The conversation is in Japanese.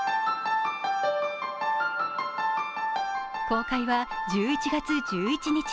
公開は１１月１１日。